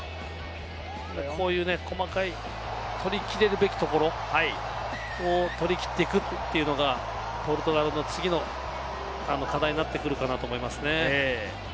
こういう細かい取り切れるべきところを取り切っていくというのがポルトガルの次の課題になってくるかなと思いますね。